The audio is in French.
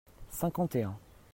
cinquante et un.